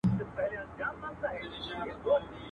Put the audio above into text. بازاري ویل راځه چي ځو ترکوره.